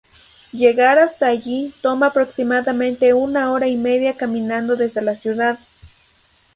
Llegar hasta allí toma aproximadamente una hora y media caminando desde la ciudad.